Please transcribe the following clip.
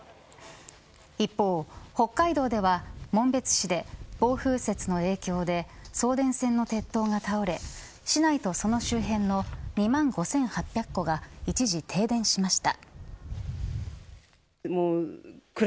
一方、北海道では紋別市で暴風雪の影響で送電線の鉄塔が倒れ市内と、その周辺の２万５８００戸が一時停電しました。